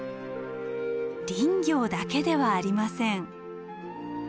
林業だけではありません。